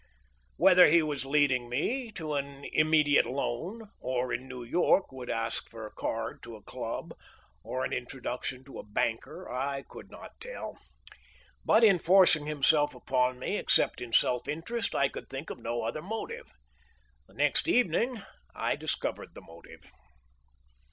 Whether he was leading up to an immediate loan, or in New York would ask for a card to a club, or an introduction to a banker, I could not tell. But in forcing himself upon me, except in self interest, I could think of no other motive. The next evening I discovered the motive.